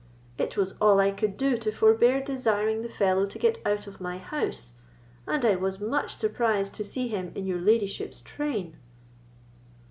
It was all I could do to forbear desiring the fellow to get out of my house, and I was much surprised to see him in your ladyship's train."